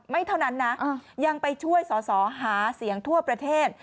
เท่านั้นนะยังไปช่วยสอสอหาเสียงทั่วประเทศ